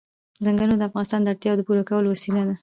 ځنګلونه د افغانانو د اړتیاوو د پوره کولو وسیله ده.